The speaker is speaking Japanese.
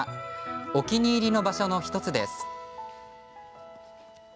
お気に入りの場所の１つです。